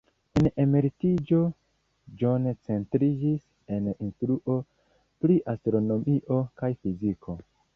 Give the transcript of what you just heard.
En emeritiĝo, John centriĝis en instruo pri astronomio kaj fiziko.